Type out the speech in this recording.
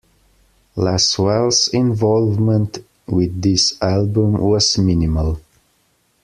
Laswell's involvement with this album was minimal.